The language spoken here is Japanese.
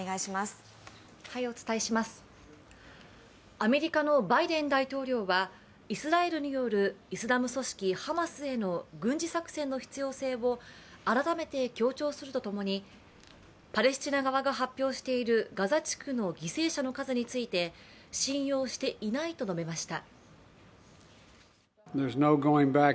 アメリカのバイデン大統領はイスラエルによるイスラム組織ハマスへの軍事作戦の必要性を改めて強調するとともにパレスチナ側が発表しているガザ地区の犠牲者の数について信用していないと述べました。